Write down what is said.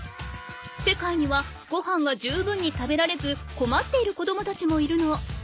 世界にはごはんが十分に食べられずこまっているこどもたちもいるの。